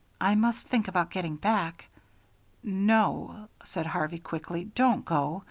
I must think about getting back." "No," said Harvey, quickly, "don't go.